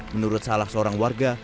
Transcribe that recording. menurut salah seorang warga